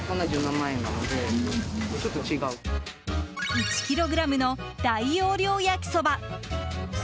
１ｋｇの大容量焼きそば！